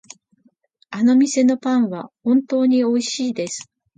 あの店のパンは本当においしいです。